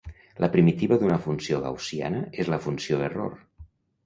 La primitiva d'una funció gaussiana és la funció error.